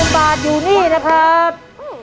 ๐บาทอยู่นี่นะครับ